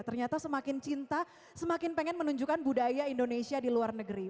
ternyata semakin cinta semakin pengen menunjukkan budaya indonesia di luar negeri